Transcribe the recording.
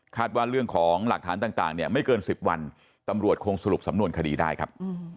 ว่าเรื่องของหลักฐานต่างเนี่ยไม่เกิน๑๐วันตำรวจคงสรุปสำนวนคดีได้ครับ